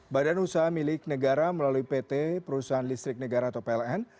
badan usaha milik negara melalui pt perusahaan listrik negara atau pln